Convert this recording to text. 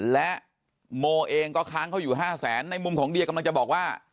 และโมเองก็ค้างเขาอยู่๕แสนในมุมของเดียกำลังจะบอกว่า